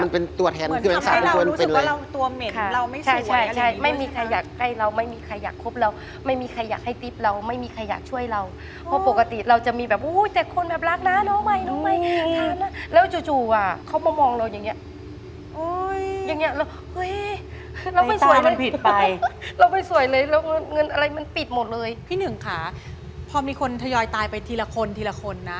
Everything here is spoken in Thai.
พี่หนึ่งค่ะพอมีคนทยอยตายไปทีละคนนะ